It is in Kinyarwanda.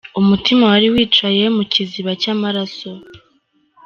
Umutima wari wicaye mu kiziba cy’amaraso.